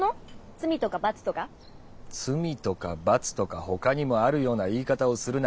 罪とか罰とか他にもあるような言い方をするな。